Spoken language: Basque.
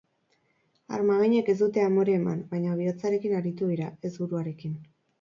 Armaginek ez dute amore eman, baina bihotzarekin aritu dira, ez buruarekin.